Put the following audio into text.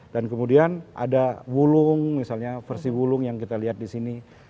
dan kemudian ada wulung misalnya versi wulung yang kita lihat di sini